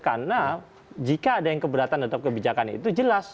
karena jika ada yang keberatan atau kebijakan itu jelas